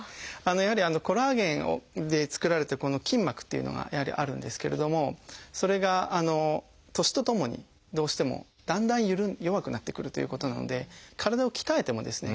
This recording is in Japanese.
やはりコラーゲンで作られた筋膜っていうのがあるんですけれどもそれが年とともにどうしてもだんだん弱くなってくるということなので体を鍛えてもですね